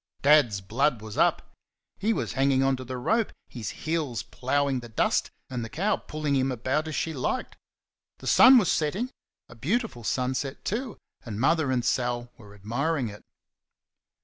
Dad's blood was up. He was hanging on to the rope, his heels ploughing the dust, and the cow pulling him about as she liked. The sun was setting; a beautiful sunset, too, and Mother and Sal were admiring it.